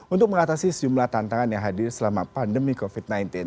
untuk mengatasi sejumlah tantangan yang hadir selama pandemi covid sembilan belas